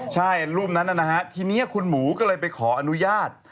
ใช่รูปนั้นนะฮะทีนี้คุณหมูก็เลยไปขออนุญาต